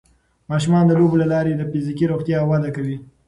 ماشومان د لوبو له لارې د فزیکي روغتیا وده کوي.